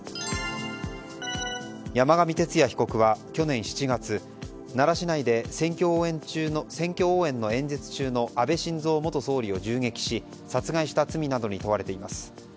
山上徹也被告は去年７月奈良市内で選挙応援の演説中の安倍晋三元総理を銃撃し殺害した罪などに問われています。